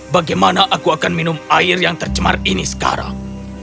bagaimana aku akan minum air yang tercemar ini sekarang